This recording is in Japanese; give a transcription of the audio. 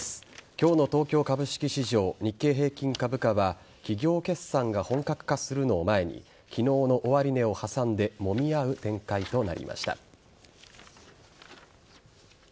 今日の東京株式市場日経平均株価は企業決算が本格化するのを前に昨日の終値を挟んでもみ合う展開となりました。